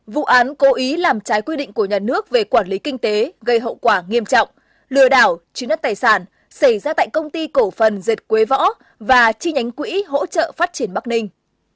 vụ án cố ý làm trái quy định của nhà nước về quản lý kinh tế gây hậu quả nghiêm trọng lừa đảo chiếm đất tài sản xảy ra tại công ty cổ phần dệt quế võ và chi nhánh quỹ hỗ trợ phát triển bắc ninh